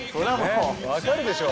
分かるでしょ。